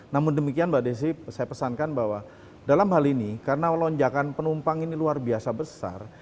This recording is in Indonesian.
namun demikian mbak desi saya pesankan bahwa dalam hal ini karena lonjakan penumpang ini luar biasa besar